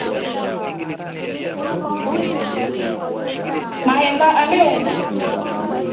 Maemba yameoma.